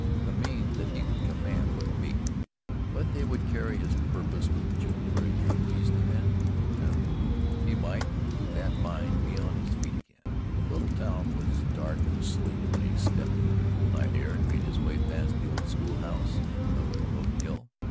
The means that he could command were meagre, but they would carry his purpose with June for a year at least and then who knew? he might, through that mine, be on his feet again. The little town was dark and asleep when he stepped into the cool night air and made his way past the old school house and up Imboden Hill.